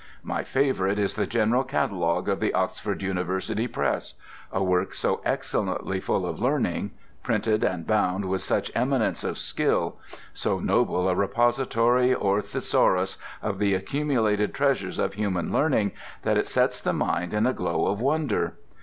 My favourite is the General Catalogue of the Oxford University Press: a work so excellently full of learning; printed and bound with such eminence of skill; so noble a repository or Thesaurus of the accumulated treasures of human learning, that it sets the mind in a glow of wonder.